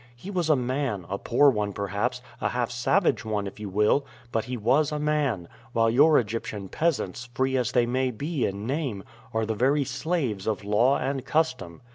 He was a man, a poor one, perhaps a half savage one, if you will but he was a man, while your Egyptian peasants, free as they may be in name, are the very slaves of law and custom.